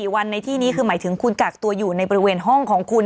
วันในที่นี้คือหมายถึงคุณกักตัวอยู่ในบริเวณห้องของคุณ